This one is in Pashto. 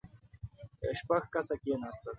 شپږ کسه کېناستل.